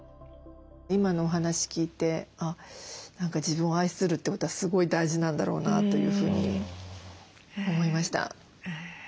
今のお話聞いて何か自分を愛するってことはすごい大事なんだろうなというふうに思いました。